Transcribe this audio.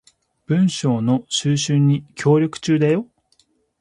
文章の収集に協力中だよ